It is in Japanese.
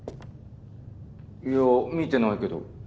いや見てないけど。